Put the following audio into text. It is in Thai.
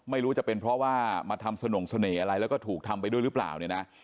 ไม่รู้จะเป็นเพราะว่ามาทำสนงเสน่ห์อะไรแล้วก็ถูกทำไปด้วยหรือเปล่าเนี่ยนะ